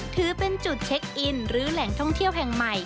ถือเป็นจุดเช็คอินหรือแหล่งท่องเที่ยวแห่งใหม่